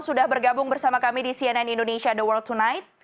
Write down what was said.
sudah bergabung bersama kami di cnn indonesia the world tonight